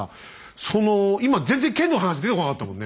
その今全然剣の話出てこなかったもんね。